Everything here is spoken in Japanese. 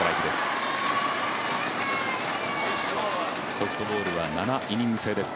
ソフトボールは７イニング制です。